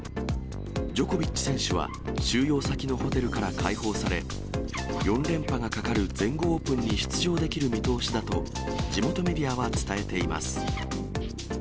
ジョコビッチ選手は、収容先のホテルから解放され、４連覇がかかる全豪オープンに出場できる見通しだと、地元メディアは伝えています。